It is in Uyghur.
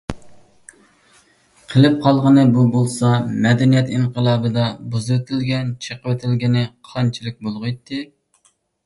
قېلىپ قالغىنى بۇ بولسا، «مەدەنىيەت ئىنقىلابى»دا بۇزۇۋېتىلگەن، چېقىۋېتىلگىنى قانچىلىك بولغىيتتى؟